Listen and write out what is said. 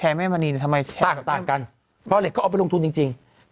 อึกอึกอึกอึกอึก